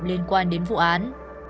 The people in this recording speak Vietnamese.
liên quan đến vụ án